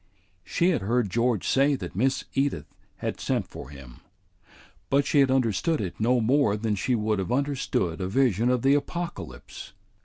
She had heard George say that Miss Edith had sent for him; but she had understood it no more than she would have understood a vision of the Apocalypse.